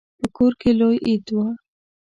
په کور کې لوی عید و.